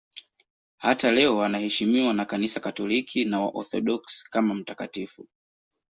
Hata leo anaheshimiwa na Kanisa Katoliki na Waorthodoksi kama mtakatifu.